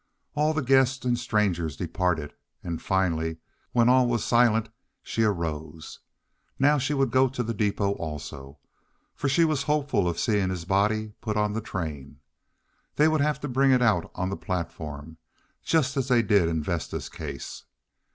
All the guests and strangers departed, and finally, when all was silent, she arose. Now she would go to the depôt also, for she was hopeful of seeing his body put on the train. They would have to bring it out on the platform, just as they did in Vesta's case.